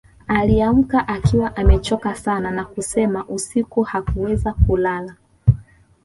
Aliamka akiwa amechoka sana na kusema usiku hakuweza kulala